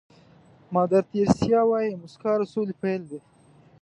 مادر تیریسا وایي موسکا د سولې پيل دی.